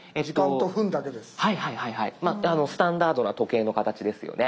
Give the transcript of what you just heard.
スタンダードな時計の形ですよね。